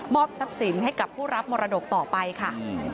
ทรัพย์สินให้กับผู้รับมรดกต่อไปค่ะ